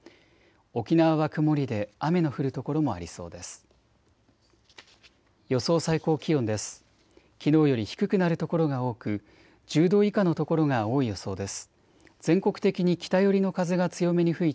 沖縄は曇りで雨の降る所もありそうです。